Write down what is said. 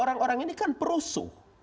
orang orang ini kan perusuh